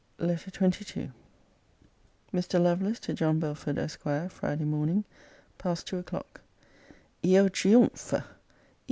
LETTER XXII MR. LOVELACE, TO JOHN BELFORD, ESQ. FRIDAY MORNING, PAST TWO O'CLOCK. Io Triumphe!